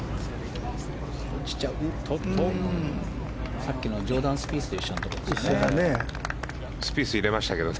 さっきのジョーダン・スピースと一緒のところですね。